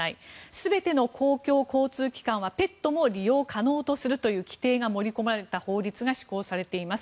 全ての公共交通機関はペットも利用可能とするという規定が盛り込まれた法律が施行されています。